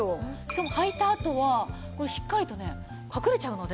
しかも履いたあとはこれしっかりとね隠れちゃうので。